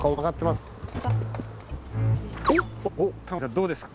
そうですか。